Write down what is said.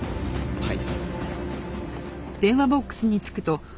はい。